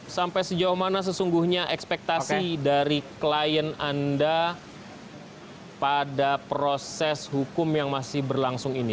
sampai sejauh mana sesungguhnya ekspektasi dari klien anda pada proses hukum yang masih berlangsung ini